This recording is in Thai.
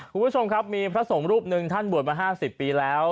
คุณผู้ชมครับมีพระสงฆ์รูปหนึ่งท่านบวชมา๕๐ปีแล้ว